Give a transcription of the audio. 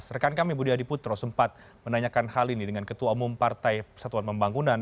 rekan kami budi adiputro sempat menanyakan hal ini dengan ketua umum partai persatuan pembangunan